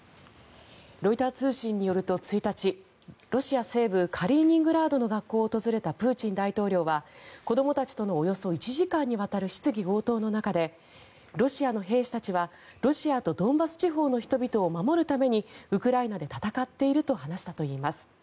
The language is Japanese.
ロイター通信によると、１日ロシア西部カリーニングラードの学校を訪れたプーチン大統領は子どもたちとのおよそ１時間にわたる質疑応答の中でロシアの兵士たちはロシアとドンバス地方の人たちを守るためにウクライナで戦っていると話したといいます。